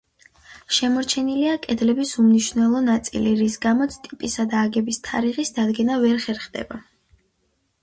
შემორჩენილია კედლების უმნიშვნელო ნაწილი, რის გამოც ტიპისა და აგების თარიღის დადგენა ვერ ხერხდება.